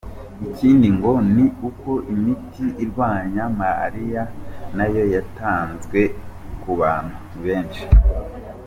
Ikindi ngo ni uko imiti irwanya malaria nayo yatanzwe ku bantu benshi.